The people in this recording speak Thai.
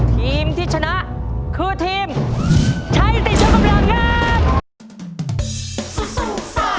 ทีมที่ชนะคือทีมใช้ติดช่องกำลังแล้ว